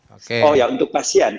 oh ya untuk pasien